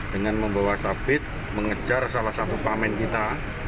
dengan membawa sabit mengejar salah satu pamen kita